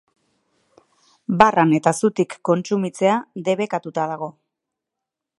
Barran eta zutik kontsumitzea debekatuta dago.